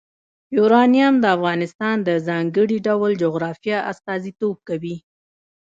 یورانیم د افغانستان د ځانګړي ډول جغرافیه استازیتوب کوي.